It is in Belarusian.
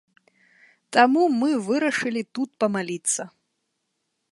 Таму мы вырашылі тут памаліцца.